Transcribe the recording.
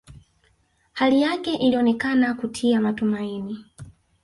Hali yake ilionekana kutia matumaini